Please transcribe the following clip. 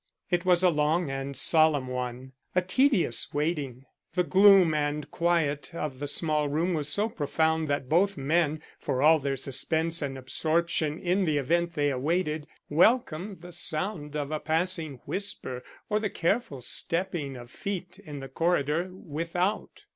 It was a long and solemn one; a tedious waiting. The gloom and quiet of the small room was so profound that both men, for all their suspense and absorption in the event they awaited, welcomed the sound of a passing whisper or the careful stepping of feet in the corridor without.